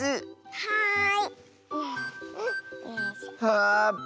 はい。